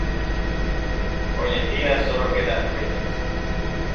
Hoy en día solo quedan ruinas.